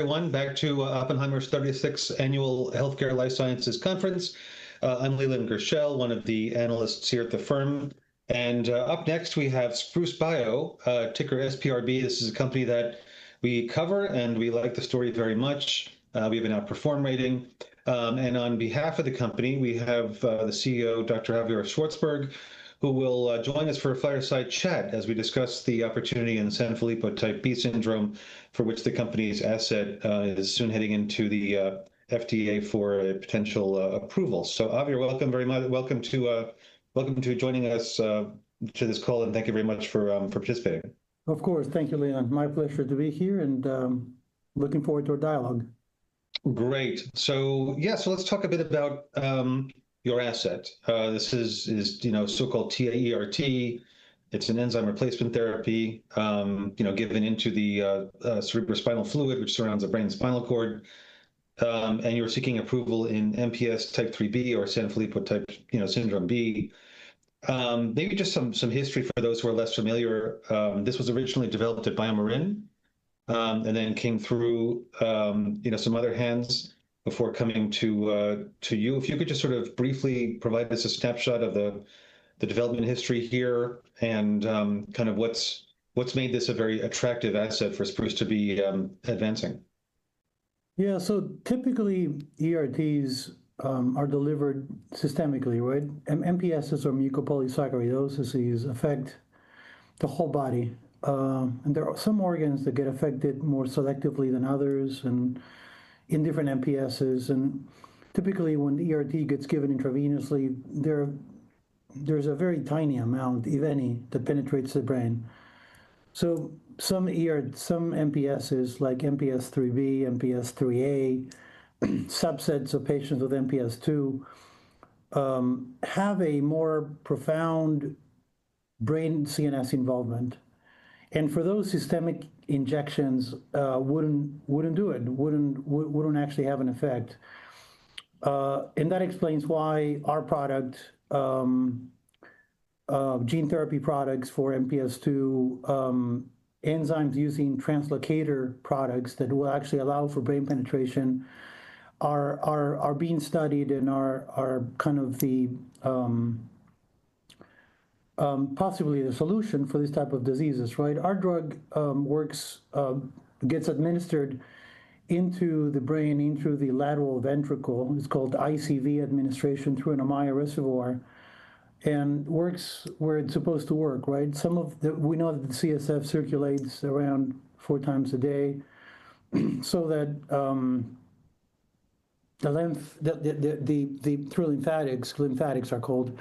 everyone, back to Oppenheimer's 36th Annual Healthcare and Life Sciences Conference. I'm Leland Gershell, one of the analysts here at the firm, up next, we have Spruce Bio, ticker SPRB. This is a company that we cover, we like the story very much. We have an outperform rating. On behalf of the company, we have the CEO, Dr. Javier Szwarcberg, who will join us for a fireside chat as we discuss the opportunity in Sanfilippo Syndrome Type B, for which the company's asset is soon heading into the FDA for a potential approval. Javier, welcome very much. Welcome to joining us to this call, thank you very much for participating. Of course. Thank you, Leland. My pleasure to be here, and looking forward to our dialogue. Great. Yeah, let's talk a bit about your asset. This is, you know, so-called TA-ERT. It's an enzyme replacement therapy, you know, given into the cerebrospinal fluid, which surrounds the brain and spinal cord. You're seeking approval in MPS type IIIB or Sanfilippo type, you know, syndrome B. Maybe just some history for those who are less familiar. This was originally developed at BioMarin, and then came through, you know, some other hands before coming to you. If you could just sort of briefly provide us a snapshot of the development history here and kind of what's made this a very attractive asset for Spruce to be advancing. Yeah. Typically, ERTs are delivered systemically, right? MPSs or mucopolysaccharidoses affect the whole body. There are some organs that get affected more selectively than others and in different MPSs. Typically, when the ERT gets given intravenously, there's a very tiny amount, if any, that penetrates the brain. Some MPSs, like MPS IIIB, MPS IIIA, subsets of patients with MPS II have a more profound brain CNS involvement, and for those, systemic injections wouldn't do it, wouldn't actually have an effect. That explains why our product, gene therapy products for MPS II, enzymes using translocator products that will actually allow for brain penetration, are being studied and are kind of the possibly the solution for these type of diseases, right? Our drug works. gets administered into the brain, in through the lateral ventricle. It's called ICV administration through an Ommaya reservoir and works where it's supposed to work, right? We know that the CSF circulates around four times a day, that through lymphatics are cold,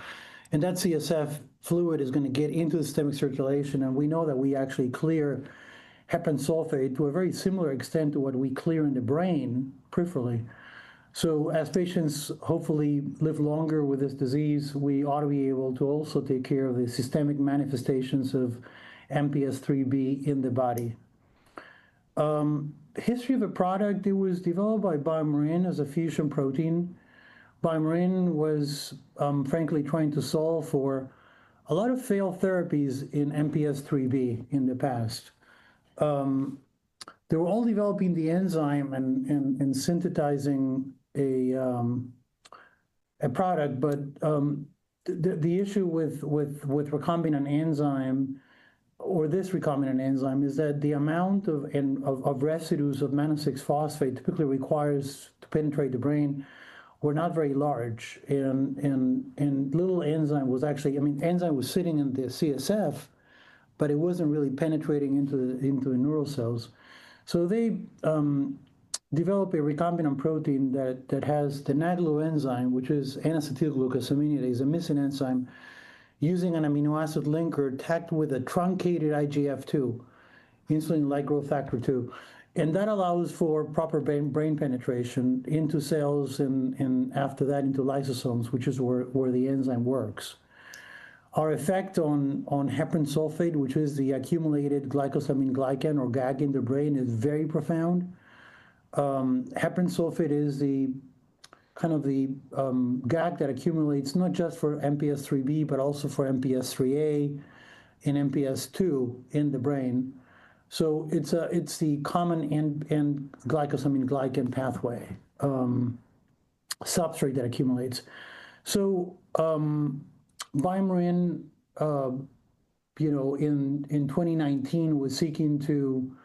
and that CSF fluid is gonna get into the systemic circulation, and we know that we actually clear heparan sulfate to a very similar extent to what we clear in the brain peripherally. As patients hopefully live longer with this disease, we ought to be able to also take care of the systemic manifestations of MPS IIIB in the body. History of the product, it was developed by BioMarin as a fusion protein. BioMarin was frankly trying to solve for a lot of failed therapies in MPS IIIB in the past. They were all developing the enzyme and synthesizing a product, but the issue with recombinant enzyme or this recombinant enzyme is that the amount of residues of mannose 6-phosphate typically requires to penetrate the brain, were not very large. Little enzyme was actually, I mean, enzyme was sitting in the CSF, but it wasn't really penetrating into the neural cells. They developed a recombinant protein that has the NAGLU enzyme, which is N-acetylglucosamine. It is a missing enzyme, using an amino acid linker tacked with a truncated IGF-2, insulin-like growth factor 2, and that allows for proper brain penetration into cells and after that, into lysosomes, which is where the enzyme works. Our effect on heparan sulfate, which is the accumulated glycosaminoglycan or GAG in the brain, is very profound. Heparan sulfate is the kind of the GAG that accumulates not just for MPS IIIB, but also for MPS IIIA and MPS II in the brain. It's the common in glycosaminoglycan pathway substrate that accumulates. BioMarin, you know, in 2019 was seeking to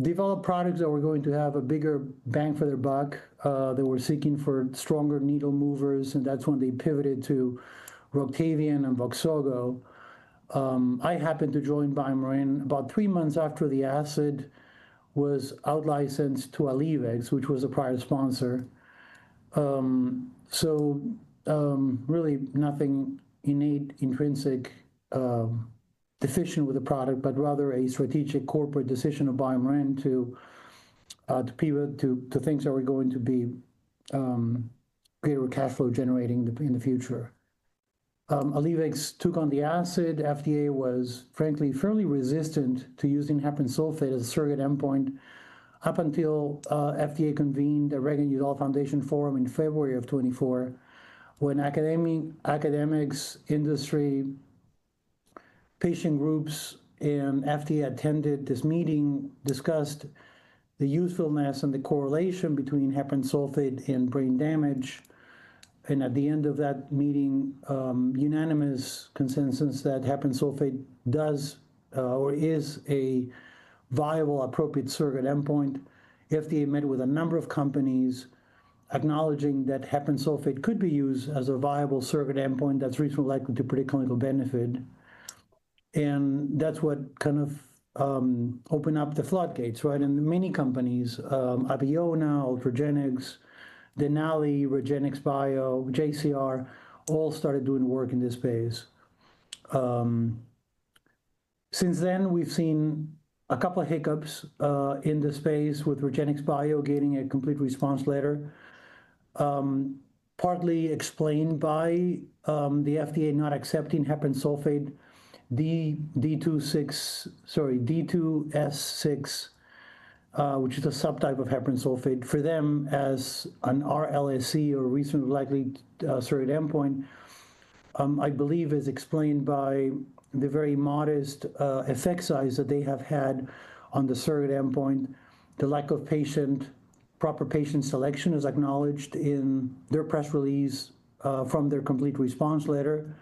develop products that were going to have a bigger bang for their buck. They were seeking for stronger needle movers, and that's when they pivoted to ROCTAVIAN and VOXZOGO. I happened to join BioMarin about three months after the asset was out-licensed to Allievex, which was a prior sponsor. Really nothing innate, intrinsic, deficient with the product, but rather a strategic corporate decision of BioMarin to pivot to things that were going to be greater cash flow generating in the future. Allievex took on the asset. FDA was, frankly, fairly resistant to using heparan sulfate as a surrogate endpoint up until FDA convened a Reagan-Udall Foundation forum in February of 2024, when academics, patient groups and FDA attended this meeting, discussed the usefulness and the correlation between heparan sulfate and brain damage. At the end of that meeting, unanimous consensus that heparan sulfate does or is a viable, appropriate surrogate endpoint. FDA met with a number of companies acknowledging that heparan sulfate could be used as a viable surrogate endpoint that's reasonably likely to predict clinical benefit. That's what kind of opened up the floodgates, right? Many companies, Abeona, Progenics, Denali, REGENXBIO, JCR, all started doing work in this space. Since then, we've seen a couple of hiccups in the space with REGENXBIO getting a complete response letter, partly explained by the FDA not accepting heparan sulfate. The D2S6, which is a subtype of heparan sulfate for them as an RLSE or reasonably likely surrogate endpoint, I believe is explained by the very modest effect size that they have had on the surrogate endpoint. The lack of proper patient selection is acknowledged in their press release from their complete response letter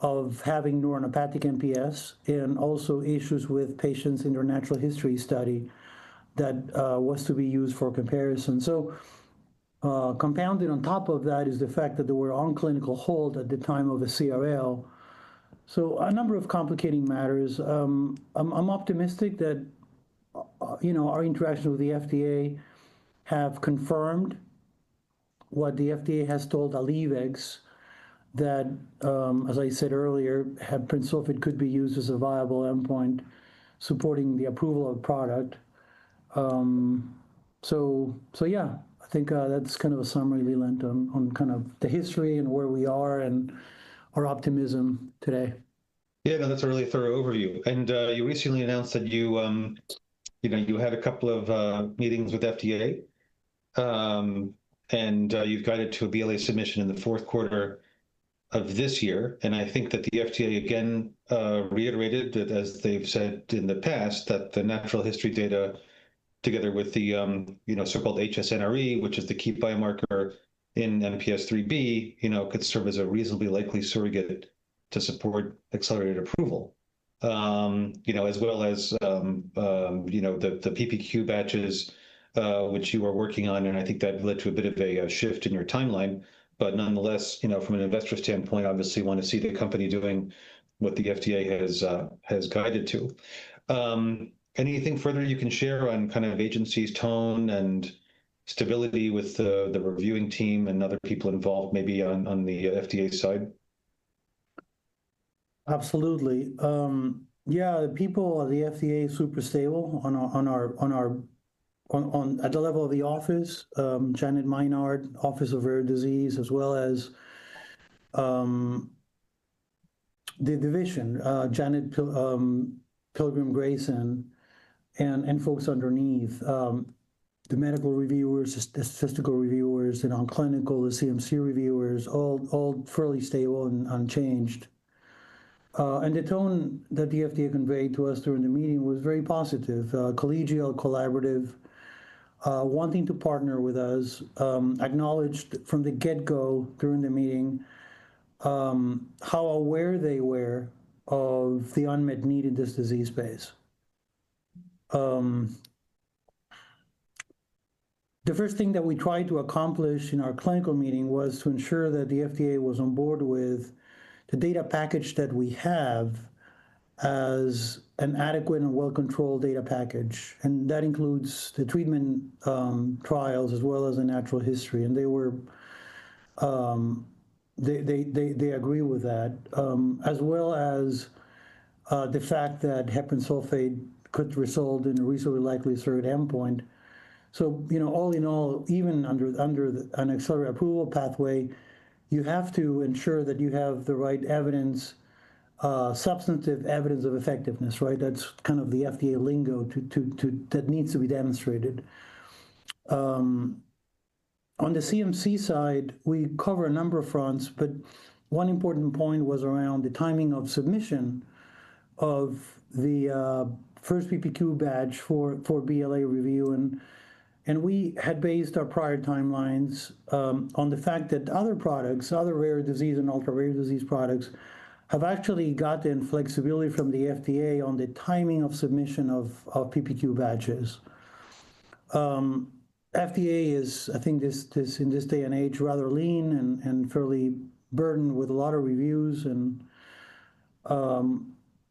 of having neuropathic MPS, and also issues with patients in their natural history study that was to be used for comparison. Compounded on top of that is the fact that they were on clinical hold at the time of the CRL. A number of complicating matters. I'm optimistic that, you know, our interaction with the FDA have confirmed what the FDA has told Allievex, that, as I said earlier, heparan sulfate could be used as a viable endpoint supporting the approval of product. Yeah, I think that's kind of a summary, Leland, on kind of the history and where we are and our optimism today. Yeah, no, that's a really thorough overview. You recently announced that you know, you had a couple of meetings with FDA. You've guided to a BLA submission in the fourth quarter of this year, and I think that the FDA again reiterated that, as they've said in the past, that the natural history data, together with the, you know, so-called HS-NRE, which is the key biomarker in MPS IIIB, you know, could serve as a reasonably likely surrogate to support accelerated approval. You know, as well as, you know, the PPQ batches, which you are working on, and I think that led to a bit of a shift in your timeline. Nonetheless, you know, from an investor's standpoint, obviously want to see the company doing what the FDA has guided to. Anything further you can share on kind of agency's tone and stability with the reviewing team and other people involved, maybe on the FDA side? Absolutely. Yeah, the people at the FDA are super stable on at the level of the office, Janet Maynard, Office of Rare Diseases, as well as, the division, Catherine Pilgrim-Grayson and folks underneath, the medical reviewers, the statistical reviewers and on clinical, the CMC reviewers, all fairly stable and unchanged. The tone that the FDA conveyed to us during the meeting was very positive, collegial, collaborative, wanting to partner with us, acknowledged from the get-go during the meeting, how aware they were of the unmet need in this disease base. The first thing that we tried to accomplish in our clinical meeting was to ensure that the FDA was on board with the data package that we have as an adequate and well-controlled data package, and that includes the treatment trials, as well as the natural history. They agreed with that, as well as the fact that heparan sulfate could result in a reasonably likely surrogate endpoint. you know, all in all, even under an accelerated approval pathway, you have to ensure that you have the right evidence, substantive evidence of effectiveness, right? That's kind of the FDA lingo that needs to be demonstrated. On the CMC side, we cover a number of fronts, but one important point was around the timing of submission of the first PPQ batch for BLA review. We had based our prior timelines on the fact that other products, other rare disease and ultra-rare disease products, have actually gotten flexibility from the FDA on the timing of submission of PPQ batches. FDA is, I think, this, in this day and age, rather lean and fairly burdened with a lot of reviews.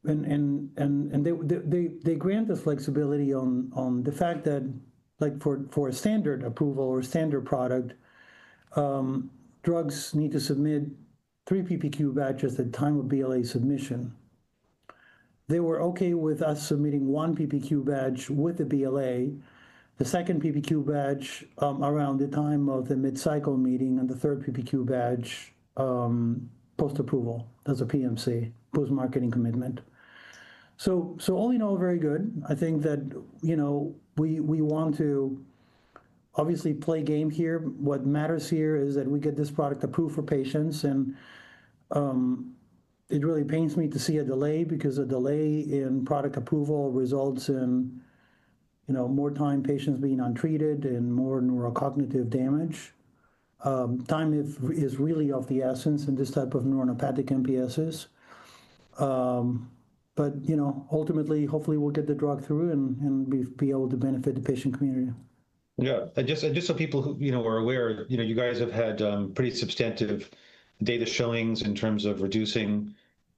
They grant this flexibility on the fact that, like, for a standard approval or standard product, drugs need to submit 3 PPQ batches at the time of BLA submission. They were okay with us submitting one PPQ batch with the BLA, the second PPQ batch, around the time of the mid-cycle meeting, and the third PPQ batch, post-approval as a PMC, Post-Marketing Commitment. All in all, very good. I think that, you know, we want to obviously play game here. What matters here is that we get this product approved for patients, and it really pains me to see a delay, because a delay in product approval results in, you know, more time patients being untreated and more neurocognitive damage. Time is really of the essence in this type of neuronopathic MPSs. You know, ultimately, hopefully, we'll get the drug through and we've be able to benefit the patient community. Yeah. Just so people who, you know, are aware, you know, you guys have had pretty substantive data showings in terms of reducing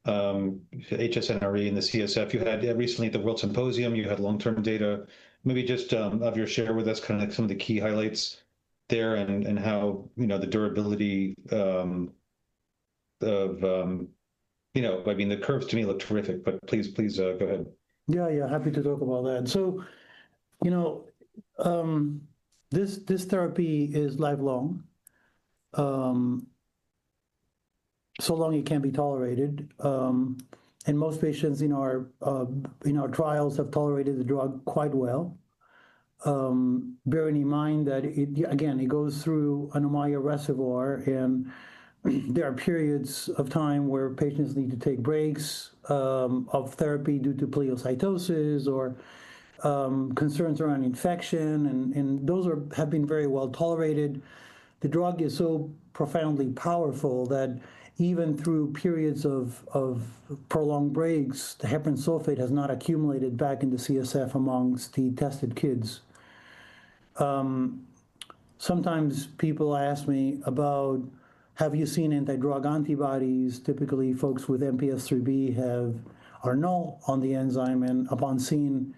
HSNRE in the CSF. You had recently at the WORLDSymposium, you had long-term data. Maybe just have you share with us kind of like some of the key highlights there and how, you know, the durability of you know, I mean, the curves to me look terrific. Please go ahead. Yeah, yeah, happy to talk about that. You know, this therapy is lifelong, so long it can be tolerated. Most patients in our trials have tolerated the drug quite well. Bearing in mind that it, again, it goes through an Ommaya reservoir, and there are periods of time where patients need to take breaks of therapy due to pleocytosis or concerns around infection, and have been very well tolerated. The drug is so profoundly powerful that even through periods of prolonged breaks, the heparan sulfate has not accumulated back in the CSF amongst the tested kids. Sometimes people ask me about, "Have you seen anti-drug antibodies?" Typically, folks with MPS IIIB have. are null on the enzyme, and upon seeing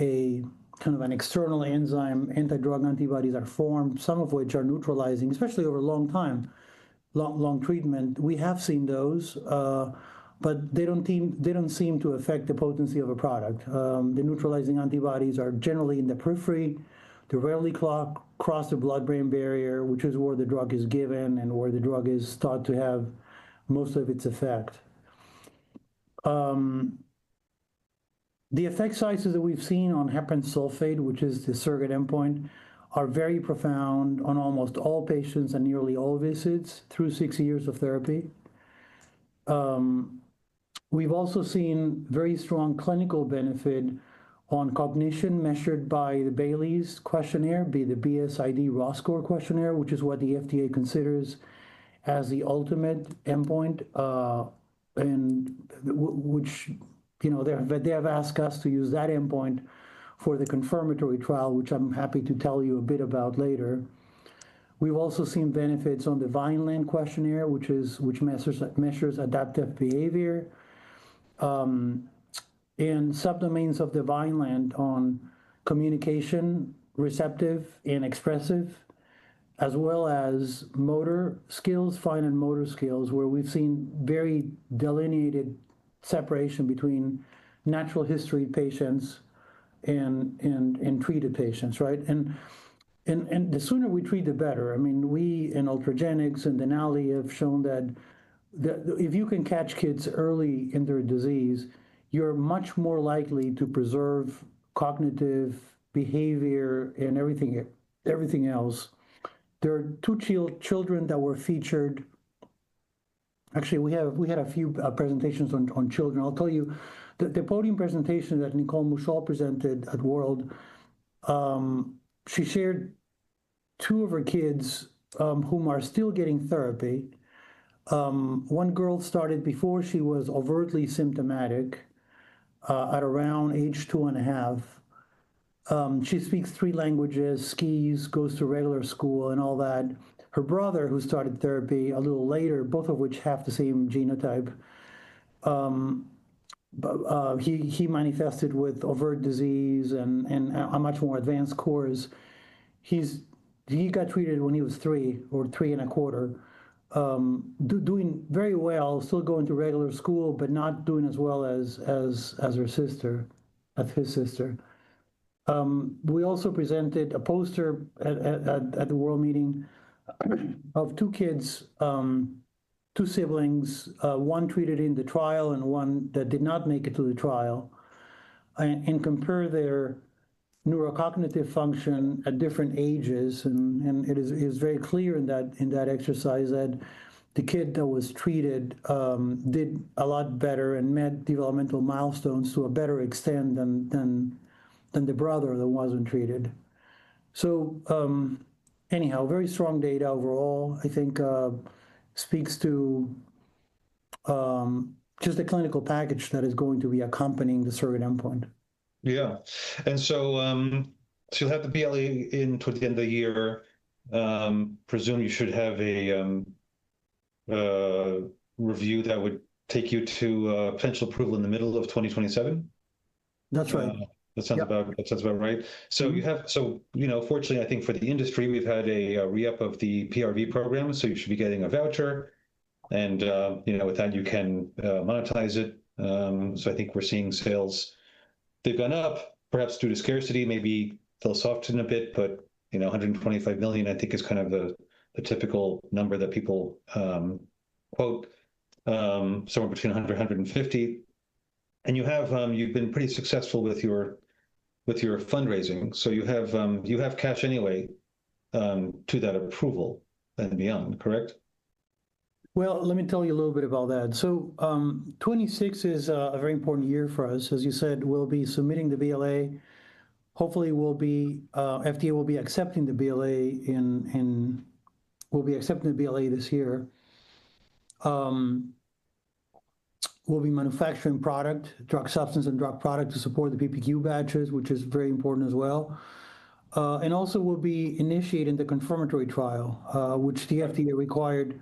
a kind of an external enzyme, anti-drug antibodies are formed, some of which are neutralizing, especially over a long time, long treatment. We have seen those, but they don't seem to affect the potency of a product. The neutralizing antibodies are generally in the periphery. They rarely cross the blood-brain barrier, which is where the drug is given and where the drug is thought to have most of its effect. The effect sizes that we've seen on heparan sulfate, which is the surrogate endpoint, are very profound on almost all patients and nearly all visits through six years of therapy. We've also seen very strong clinical benefit on cognition measured by the Bayley's questionnaire, the BSID raw score questionnaire, which is what the FDA considers as the ultimate endpoint, and which, you know, they have asked us to use that endpoint for the confirmatory trial, which I'm happy to tell you a bit about later. We've also seen benefits on the Vineland questionnaire, which measures adaptive behavior, and subdomains of the Vineland on communication, receptive and expressive, as well as motor skills, fine and motor skills, where we've seen very delineated separation between natural history patients and treated patients, right? The sooner we treat, the better. I mean, we and Ultragenyx and Denali have shown that. You can catch kids early in their disease, you're much more likely to preserve cognitive behavior and everything else. There are two children that were featured. We had a few presentations on children. I'll tell you, the podium presentation that Nicole Muschol presented at WORLDSymposium, she shared two of her kids, whom are still getting therapy. One girl started before she was overtly symptomatic at around age two and a half. She speaks three languages, skis, goes to regular school, and all that. Her brother, who started therapy a little later, both of which have the same genotype, he manifested with overt disease and a much more advanced course. He got treated when he was three or three and a quarter. doing very well, still going to regular school, but not doing as well as her sister, as his sister. We also presented a poster at the World Meeting, of two kids, two siblings, one treated in the trial and one that did not make it to the trial, and compare their neurocognitive function at different ages. It is very clear in that exercise that the kid that was treated, did a lot better and met developmental milestones to a better extent than the brother that wasn't treated. Anyhow, very strong data overall, I think, speaks to just the clinical package that is going to be accompanying the surrogate endpoint. Yeah. You'll have the BLA in toward the end of the year. Presume you should have a review that would take you to potential approval in the middle of 2027? That's right. that sounds about Yeah. That sounds about right. You have, you know, fortunately, I think for the industry, we've had a re-up of the PRV program, so you should be getting a voucher. You know, with that, you can monetize it. I think we're seeing sales. They've gone up, perhaps due to scarcity, maybe they'll soften a bit, but, you know, $125 million, I think, is kind of the typical number that people quote, somewhere between $100 million to $150 million. You have, you've been pretty successful with your fundraising, so you have cash anyway, to that approval and beyond, correct? Well, let me tell you a little bit about that. 2026 is a very important year for us. As you said, we'll be submitting the BLA. Hopefully, FDA will be accepting the BLA this year. We'll be manufacturing product, drug substance and drug product to support the PPQ batches, which is very important as well. And also we'll be initiating the confirmatory trial, which the FDA required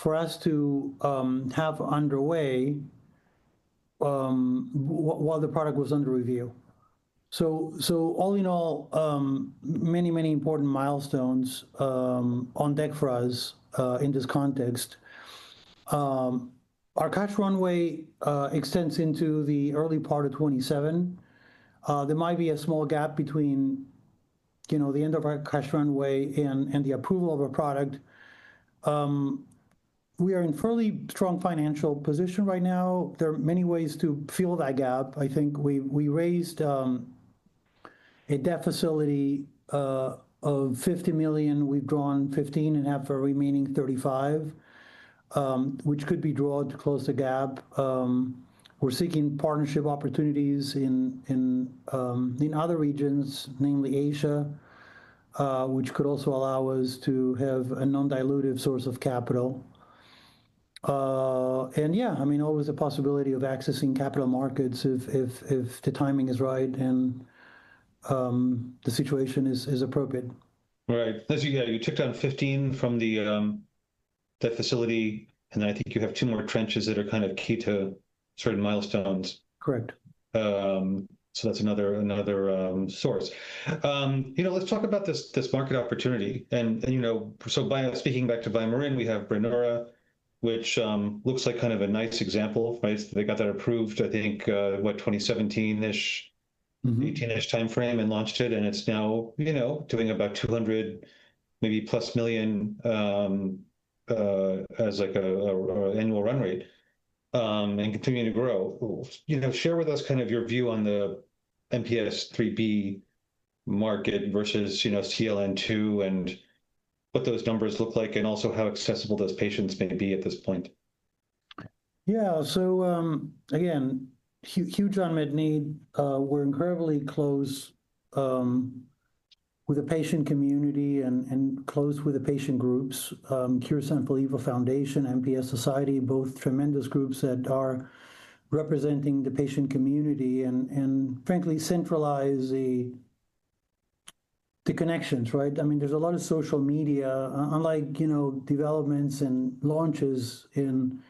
for us to have underway while the product was under review. All in all, many important milestones on deck for us in this context. Our cash runway extends into the early part of 2027. There might be a small gap between, you know, the end of our cash runway and the approval of a product. We are in fairly strong financial position right now. There are many ways to fill that gap. I think we raised a debt facility of $50 million. We've drawn $15 million and have a remaining $35 million, which could be drawn to close the gap. We're seeking partnership opportunities in other regions, namely Asia, which could also allow us to have a non-dilutive source of capital. Yeah, I mean, always a possibility of accessing capital markets if the timing is right and the situation is appropriate. Right. As you, yeah, you took down 15 from the facility, and I think you have two more tranches that are kind of key to certain milestones. Correct. That's another source. You know, let's talk about this market opportunity, and, you know, so speaking back to BioMarin, we have Brineura, which looks like kind of a nice example, right? They got that approved, I think, what, 2017-ish 2018-ish timeframe and launched it, and it's now, you know, doing about $200 million, maybe plus, as like a annual run rate, and continuing to grow. You know, share with us kind of your view on the MPS IIIB market versus, you know, CLN2 and what those numbers look like and also how accessible those patients may be at this point. Yeah. Again, huge unmet need. We're incredibly close with the patient community and close with the patient groups, Cure Sanfilippo Foundation, MPS Society, both tremendous groups that are representing the patient community and frankly, centralize the connections, right? I mean, there's a lot of social media, unlike, you know, developments and launches in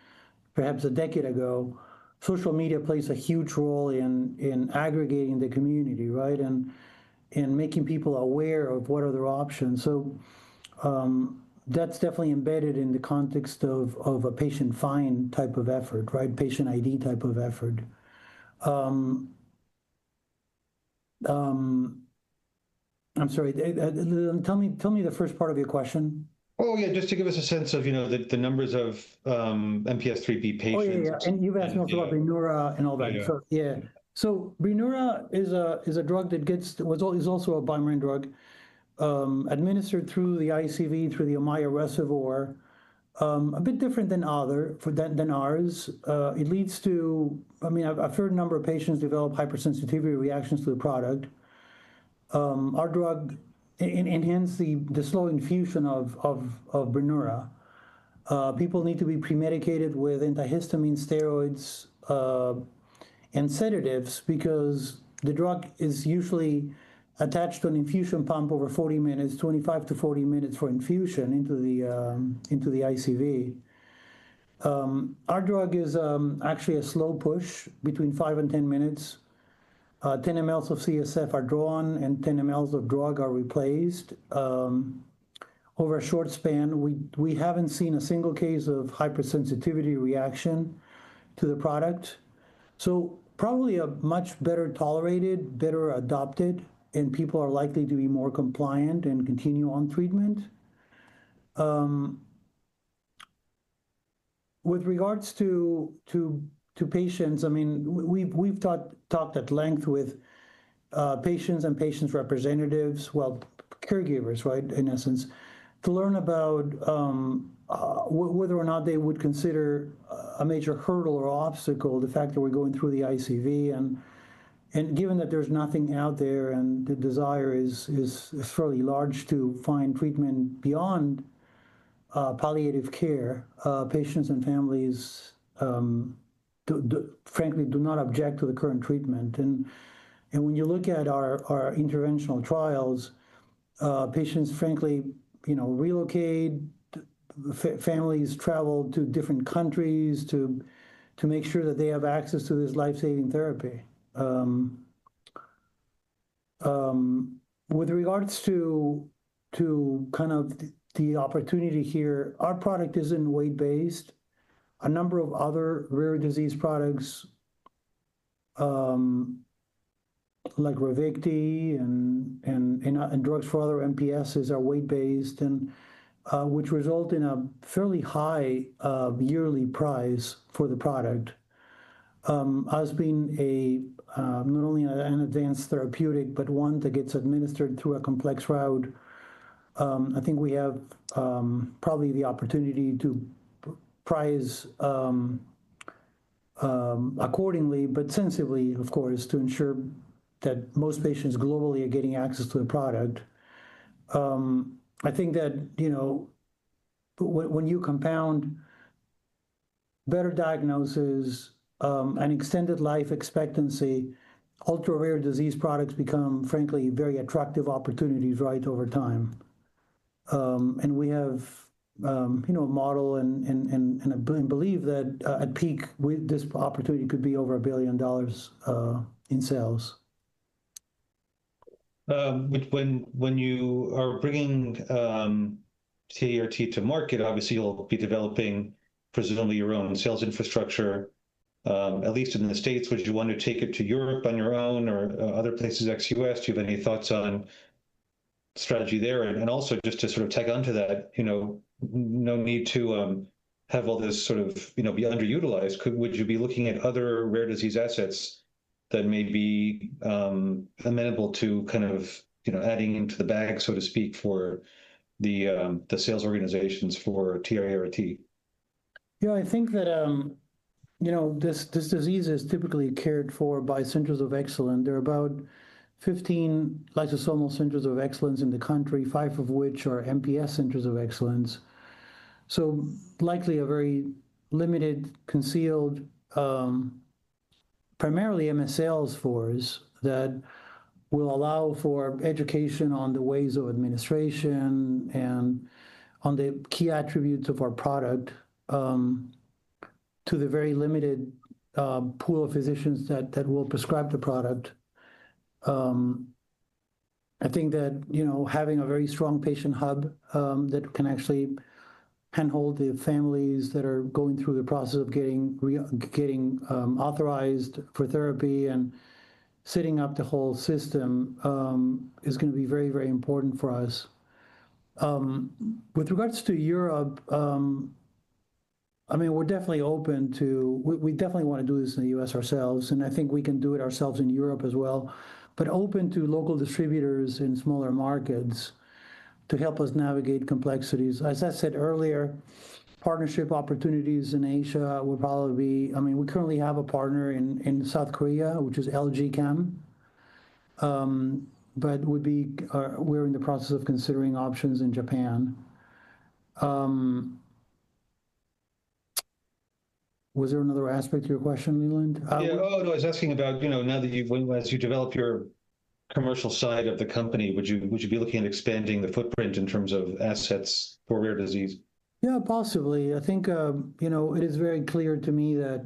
perhaps a decade ago, social media plays a huge role in aggregating the community, right? And making people aware of what are their options. That's definitely embedded in the context of a patient find type of effort, right? Patient ID type of effort. I'm sorry, tell me the first part of your question. Oh, yeah, just to give us a sense of, you know, the numbers of, MPS IIIB patients. Oh, yeah. Yeah. You've asked me about Brineura and all that. Yeah. Brineura is a drug that is also a BioMarin drug, administered through the ICV, through the Ommaya reservoir. A bit different than other than ours. It leads to, I mean, a fair number of patients develop hypersensitivity reactions to the product. Our drug and hence, the slow infusion of Brineura, people need to be pre-medicated with antihistamine, steroids, and sedatives because the drug is usually attached to an infusion pump over 40 minutes, 25 to 40 minutes for infusion into the ICV. Our drug is actually a slow push between five and 10 minutes. 10 ml of CSF are drawn and 10 ml of drug are replaced over a short span. We haven't seen a single case of hypersensitivity reaction to the product, probably a much better tolerated, better adopted, and people are likely to be more compliant and continue on treatment. With regards to patients, I mean, we've talked at length with patients and patients' representatives, well, caregivers, right, in essence, to learn about whether or not they would consider a major hurdle or obstacle, the fact that we're going through the ICV. Given that there's nothing out there and the desire is, is fairly large to find treatment beyond palliative care, patients and families do frankly do not object to the current treatment. When you look at our interventional trials, patients frankly, you know, relocate, families travel to different countries to make sure that they have access to this life-saving therapy. With regards to kind of the opportunity here, our product isn't weight-based. A number of other rare disease products, like RAVICTI and drugs for other MPSs are weight-based, and which result in a fairly high yearly price for the product. Us being a not only an advanced therapeutic But one that gets administered through a complex route, I think we have probably the opportunity to price accordingly, but sensibly, of course, to ensure that most patients globally are getting access to the product. I think that, you know, when you compound better diagnoses, and extended life expectancy, ultra-rare disease products become, frankly, very attractive opportunities right over time. We have, you know, a model and believe that at peak, this opportunity could be over $1 billion in sales. Which when you are bringing TA-ERT to market, obviously you'll be developing presumably your own sales infrastructure, at least in the States. Would you want to take it to Europe on your own or other places ex-US? Do you have any thoughts on strategy there? Also just to sort of tag on to that, you know, no need to have all this sort of, you know, be underutilized, would you be looking at other rare disease assets that may be amenable to kind of, you know, adding into the bag, so to speak, for the sales organizations for TA-ERT? Yeah, I think that, you know, this disease is typically cared for by centers of excellence. There are about 15 lysosomal centers of excellence in the country, five of which are MPS centers of excellence, so likely a very limited, concealed, primarily MSL force that will allow for education on the ways of administration and on the key attributes of our product, to the very limited pool of physicians that will prescribe the product. I think that, you know, having a very strong patient hub that can actually handhold the families that are going through the process of getting authorized for therapy and setting up the whole system, is gonna be very, very important for us. With regards to Europe, I mean, we're definitely open to. We definitely wanna do this in the U.S. ourselves, and I think we can do it ourselves in Europe as well, but open to local distributors in smaller markets to help us navigate complexities. As I said earlier, partnership opportunities in Asia would probably be. I mean, we currently have a partner in South Korea, which is LG Chem. Would be, we're in the process of considering options in Japan. Was there another aspect to your question, Leland? Yeah. Oh, no, I was asking about, you know, now that you've as you develop your commercial side of the company, would you be looking at expanding the footprint in terms of assets for rare disease? Yeah, possibly. I think, you know, it is very clear to me that,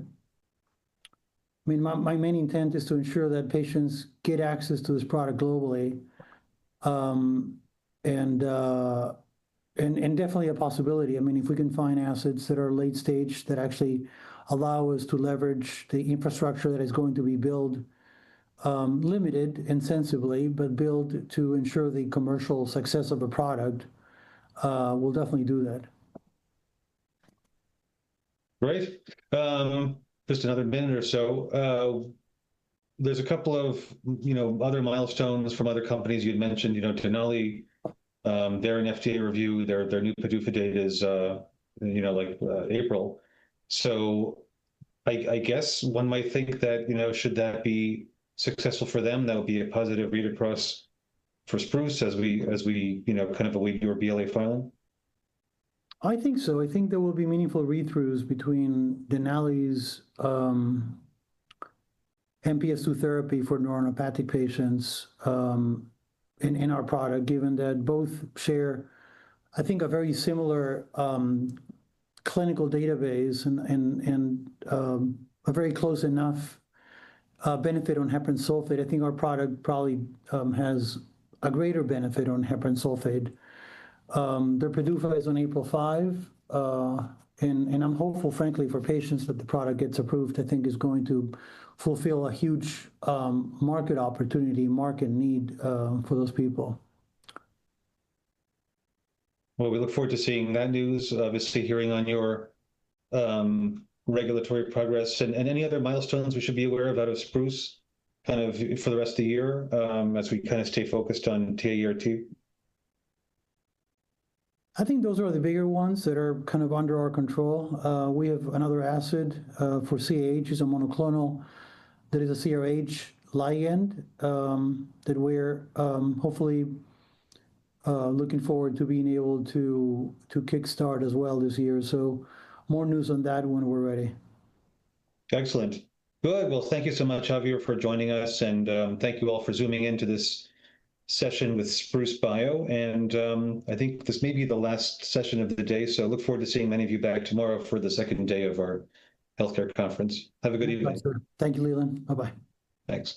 I mean, my main intent is to ensure that patients get access to this product globally. Definitely a possibility. I mean, if we can find assets that are late stage that actually allow us to leverage the infrastructure that is going to be built, limited and sensibly, but build to ensure the commercial success of a product, we'll definitely do that. Great. Just another minute or so. There's a couple of, you know, other milestones from other companies. You'd mentioned, you know, Denali, they're in FDA review. Their new PDUFA date is, you know, like, April. I guess one might think that, you know, should that be successful for them, that would be a positive read-across for Spruce as we, you know, kind of await your BLA filing? I think so. I think there will be meaningful read-throughs between Denali's MPS II therapy for neuronopathic patients, in our product, given that both share, I think, a very similar clinical database and a very close enough benefit on heparan sulfate. I think our product probably has a greater benefit on heparan sulfate. Their PDUFA is on 5 April, and I'm hopeful, frankly, for patients that the product gets approved. I think it's going to fulfill a huge market opportunity, market need for those people. We look forward to seeing that news, obviously hearing on your regulatory progress. And any other milestones we should be aware of out of Spruce, kind of, for the rest of the year, as we kind of stay focused on TA-ERT? I think those are the bigger ones that are kind of under our control. We have another asset for CAH. It's a monoclonal that is a CRH ligand that we're hopefully looking forward to being able to kickstart as well this year. More news on that when we're ready. Excellent. Good. Well, thank you so much, Javier, for joining us. Thank you all for Zooming into this session with Spruce Bio. I think this may be the last session of the day, so I look forward to seeing many of you back tomorrow for the second day of our healthcare conference. Have a good evening. Thank you, Leland. Bye-bye. Thanks.